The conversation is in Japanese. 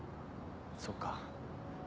そっか。